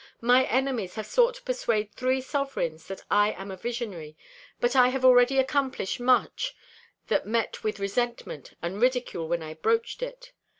My enemies have sought to persuade three sovereigns that I am a visionary, but I have already accomplished much that met with resentment and ridicule when I broached it.